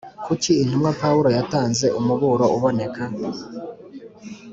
Kuki intumwa pawulo yatanze umuburo uboneka